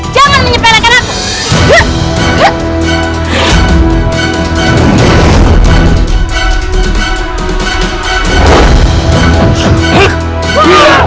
jangan menyebelahkan aku